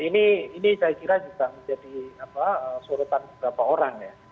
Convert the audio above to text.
nah ini saya kira juga menjadi sorotan beberapa orang ya